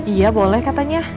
iya boleh katanya